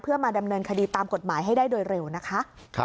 เพื่อมาดำเนินคดีตามกฎหมายให้ได้โดยเร็วนะคะ